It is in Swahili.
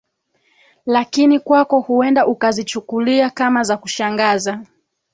lakini kwako huenda ukazichukulia kama za kushangaza